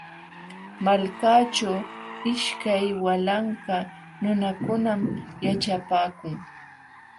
Malkaaćhu ishkay walanka nunakunam yaćhapaakun.